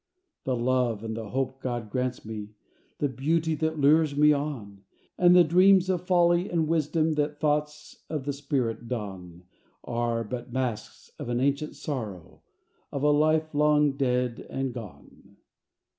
The love and the hope God grants me, The beauty that lures me on, And the dreams of folly and wisdom That thoughts of the spirit don, Are but masks of an ancient sorrow Of a life long dead and gone.